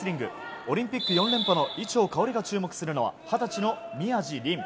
オリンピック４連覇の伊調馨が注目するのは二十歳の宮道りん。